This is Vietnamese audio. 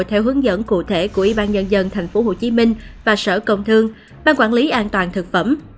theo hướng dẫn cụ thể của ủy ban nhân dân tp hcm và sở công thương ban quản lý an toàn thực phẩm